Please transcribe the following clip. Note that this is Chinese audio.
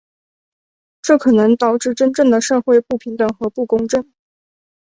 这可能导致真正的社会不平等和不公正。